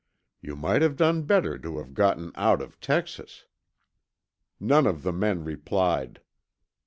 You might have done better to have gotten out of Texas." None of the men replied.